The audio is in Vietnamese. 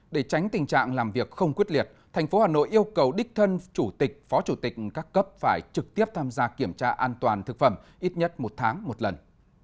để tránh tình trạng làm việc không quyết liệt tp hcm yêu cầu đích thân chủ tịch phó chủ tịch các cấp phải trực tiếp tham gia kiểm tra an toàn thực phẩm ít nhất một tháng một lần